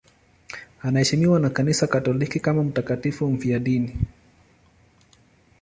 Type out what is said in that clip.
Anaheshimiwa na Kanisa Katoliki kama mtakatifu mfiadini.